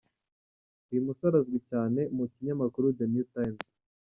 Uyu musore azwi cyane mu kinyamakuru The New Times.